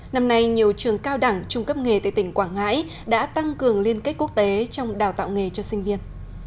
năm nay nhiều trường cao đẳng trung cấp nghề tại tỉnh quảng ngãi đã tăng cường liên kết quốc tế trong đào tạo nghề cho sinh viên